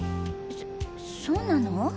そそうなの？